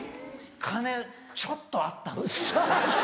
金ちょっとあったんですよ。